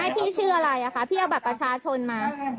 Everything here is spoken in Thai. พี่ชื่ออะไรคะพี่เอาบัตรประชาชนมา